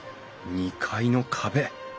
２階の壁